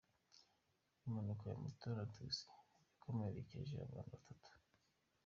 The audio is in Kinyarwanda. Impanuka ya moto na taxi yakomerekeje abantu batatu